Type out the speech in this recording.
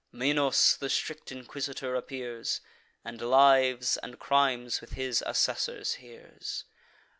Minos, the strict inquisitor, appears; And lives and crimes, with his assessors, hears.